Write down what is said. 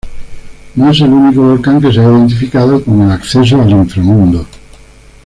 No es el único volcán que se ha identificado con el acceso al inframundo.